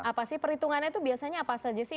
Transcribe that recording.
apa sih perhitungannya itu biasanya apa saja sih